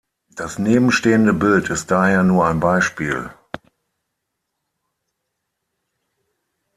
Das nebenstehende Bild ist daher nur ein Beispiel.